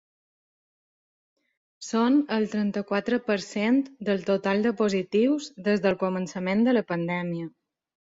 Són el trenta-quatre per cent del total de positius des del començament de la pandèmia.